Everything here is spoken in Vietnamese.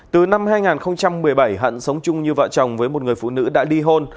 từ năm hai nghìn một mươi bảy hận sống chung như vợ chồng với một người phụ nữ đã ly hôn